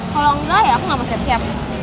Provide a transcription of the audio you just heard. kalau enggak ya aku nggak mau siap siap